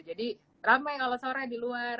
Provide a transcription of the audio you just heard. jadi ramai kalau sore di luar